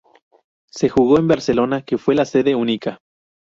Se jugó en Barcelona que fue la sede única.